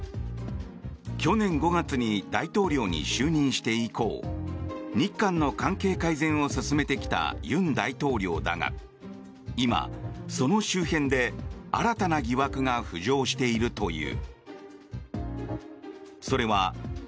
去年５月に大統領に就任して以降日韓の関係改善を進めてきた尹大統領だが今、その周辺で新たな疑惑が浮上しているという。